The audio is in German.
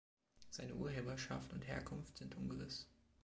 Seine Urheberschaft und Herkunft sind ungewiss.